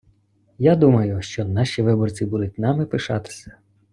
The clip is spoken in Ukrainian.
Я думаю, що наші виборці будуть нами пишатися.